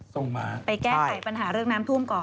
ส่งมาไปแก้ไขปัญหาเรื่องน้ำท่วมก่อน